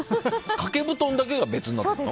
掛け布団だけが別なの？